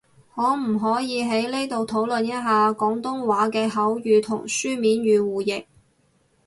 可唔可以喺呢度討論一下，廣東話嘅口語同書面語互譯？